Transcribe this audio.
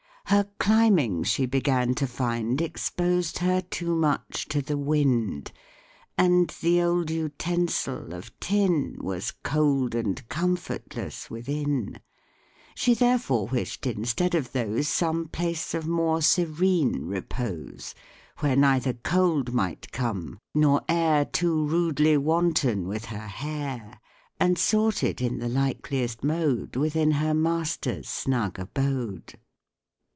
Her climbing, she began to find, Exposed her too much to the wind, And the old utensil of tin Was cold and comfortless within: She therefore wish'd instead of those Some place of more serene repose, Where neither cold might come, nor air Too rudely wanton with her hair, And sought it in the likeliest mode Within her master's snug abode.